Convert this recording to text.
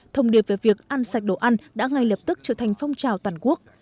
thông điệp về việc ăn sạch đồ ăn đã ngay lập tức trở thành phong trào toàn quốc